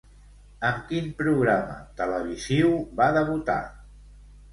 Amb quin programa televisiu va debutar?